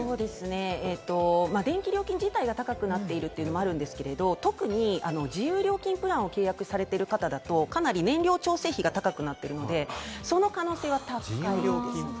電気料金自体が高くなっているのもあるんですけれど、特に自由料金プランを契約されている方だと、かなり燃料調整費が高くなっているので、その可能性は高いです。